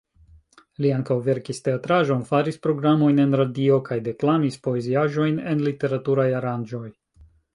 Li ankaŭ verkis teatraĵon, faris programojn en radio kaj deklamis poeziaĵojn en literaturaj aranĝoj.